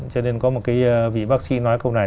cho nên có một cái vị bác sĩ nói câu này